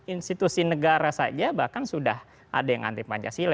institusi negara saja bahkan sudah ada yang anti pancasila